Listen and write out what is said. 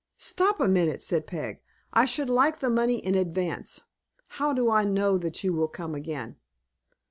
"Stop a minute," said Peg. "I should like the money in advance. How do I know that you will come again?"